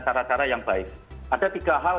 cara cara yang baik ada tiga hal